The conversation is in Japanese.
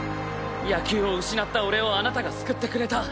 野球を失った俺をあなたが救ってくれた。